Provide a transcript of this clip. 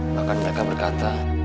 maka mereka berkata